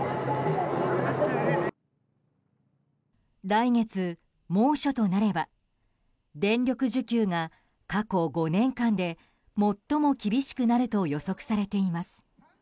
来月、猛暑となれば電力需給が過去５年間で最も厳しくなると予測されています。